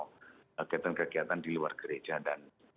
kegiatan kegiatan di luar gereja dan